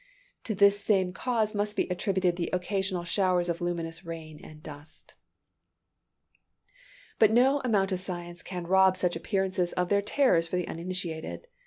To this same cause must be attributed the occasional showers of luminous rain and dust. But no amount of science can rob such appearances of their terrors for the uninitiated.